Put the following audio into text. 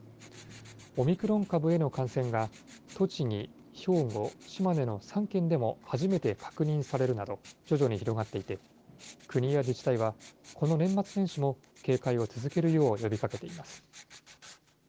オミクロン株への感染が栃木、兵庫、島根の３県でも初めて確認されるなど、徐々に広がっていて、国や自治体は、この年末年始も警戒を続けるよう呼びかけています。